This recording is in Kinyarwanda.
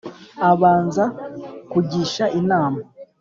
abanza kugisha inama